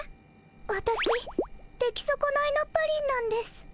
わたし出来そこないのプリンなんです。